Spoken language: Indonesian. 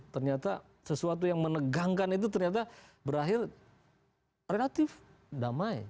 ternyata sesuatu yang menegangkan itu ternyata berakhir relatif damai